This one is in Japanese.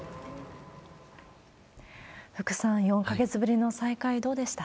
福さん、４か月ぶりの再会、どうでした？